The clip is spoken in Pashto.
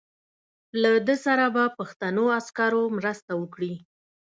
له ده سره به پښتنو عسکرو مرسته وکړي.